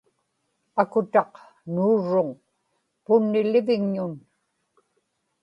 akutaq nuurruŋ punnilivigñun